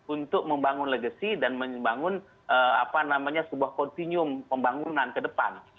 untuk membangun legacy dan membangun sebuah kontinium pembangunan